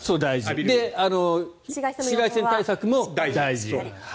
紫外線対策も大事。